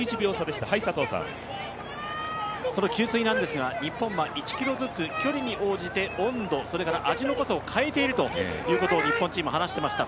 給水なんですが日本は１ｋｍずつ距離に応じて、温度それから味の濃さを変えていると話していました。